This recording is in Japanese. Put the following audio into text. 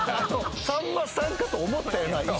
さんまさんかと思ったよな一瞬。